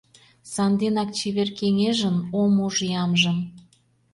Санденак чевер кеҥежын Ом уж ямжым?